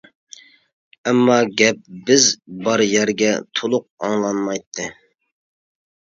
ئەمما گەپ بىز بار يەرگە تولۇق ئاڭلانمايتتى.